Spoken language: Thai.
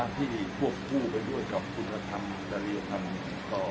ที่พวกคู่ไปด้วยกับคุณธรรมและเรียกภัณฑ์